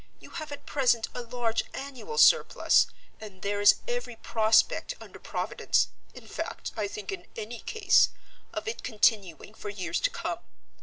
You have at present a large annual surplus, and there is every prospect under Providence in fact, I think in any case of it continuing for years to come.